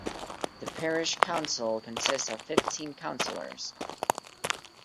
The parish council consists of fifteen councillors.